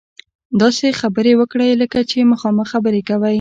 داسې خبرې وکړئ لکه چې مخامخ خبرې کوئ.